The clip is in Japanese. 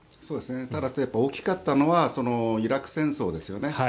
ただ、大きかったのはイラク戦争ですよね。